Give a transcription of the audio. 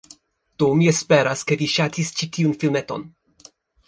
Do, mi esperas, ke vi ŝatis ĉi tiun filmeton